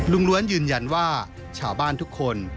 ล้วนยืนยันว่าชาวบ้านทุกคน